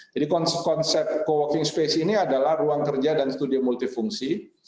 jadi konsep co working space ini adalah ruang kerja dan studio multifungsi